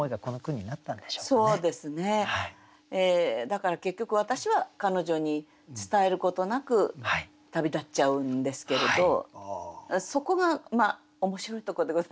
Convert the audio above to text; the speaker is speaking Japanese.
だから結局私は彼女に伝えることなく旅立っちゃうんですけれどそこが面白いとこでございましょうかね。